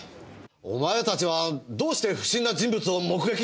お前たちはどうして不審な人物を目撃してないんだ？